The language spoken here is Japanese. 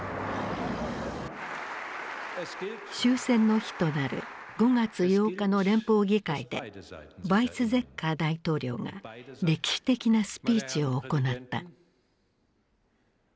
終戦の日となる５月８日の連邦議会でヴァイツゼッカー大統領が歴史的なスピーチを行った。